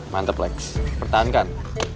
mantap lex pertahankan